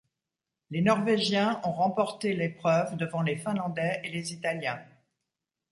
Les Norvégiens ont remporté l'épreuve devant les finlandais et les italiens.